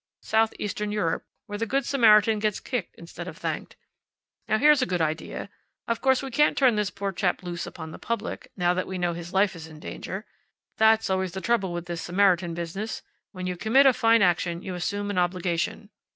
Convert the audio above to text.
Southeastern Europe, where the good Samaritan gets kicked instead of thanked. Now, here's a good idea. Of course we can't turn this poor chap loose upon the public, now that we know his life is in danger. That's always the trouble with this Samaritan business. When you commit a fine action you assume an obligation.